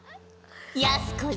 やす子よ